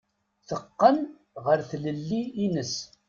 Teqqen ɣer tlelli-ines.